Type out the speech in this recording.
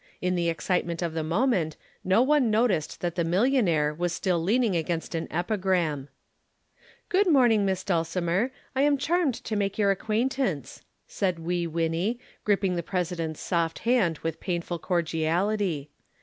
In the excitement of the moment no one noticed that the millionaire was still leaning against an epigram. "Good morning, Miss Dulcimer. I am charmed to make your acquaintance," said Wee Winnie, gripping the President's soft hand with painful cordiality.